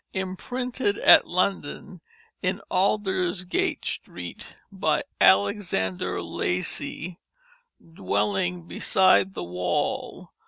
Imprinted at London in Aldersgate strete by Alexander Lacy dwellynge beside the Wall.